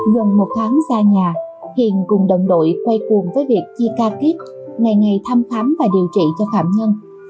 gần một tháng xa nhà hiền cùng đồng đội quay cuồng với việc chi ca kiếp ngày ngày thăm khám và điều trị cho phạm nhân